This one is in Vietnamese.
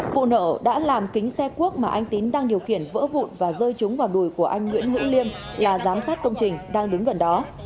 vụ nổ đã làm kính xe cuốc mà anh tín đang điều khiển vỡ vụn và rơi trúng vào đùi của anh nguyễn hữu liêm là giám sát công trình đang đứng gần đó